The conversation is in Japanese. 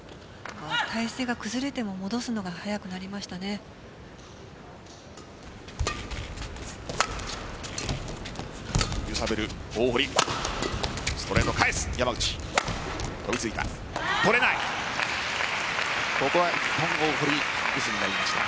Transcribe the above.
体勢が崩れても戻すのが速くなりましたね。